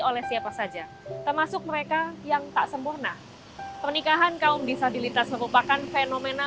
oleh siapa saja termasuk mereka yang tak sempurna pernikahan kaum disabilitas merupakan fenomena